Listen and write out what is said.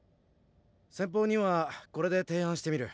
先方にはこれで提案してみる。